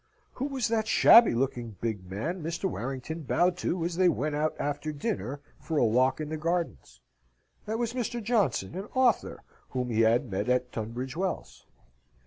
Who was that shabby looking big man Mr. Warrington bowed to as they went out after dinner for a walk in the gardens? That was Mr. Johnson, an author, whom he had met at Tunbridge Wells.